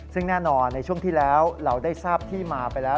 ซึ่งแน่นอนในช่วงที่แล้วเราได้ทราบที่มาไปแล้ว